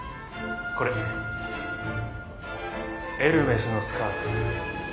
これエルメスのスカーフ。